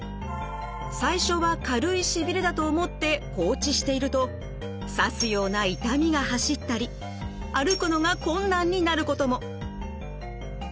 最初は軽いしびれだと思って放置していると刺すような痛みが走ったり歩くのが困難になることも。